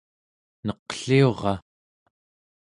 neqliura